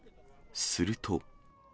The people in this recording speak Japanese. すると。